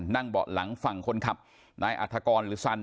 นั่งเบาะหลังฝั่งคนขับไหนอรรถกรหรือสั่น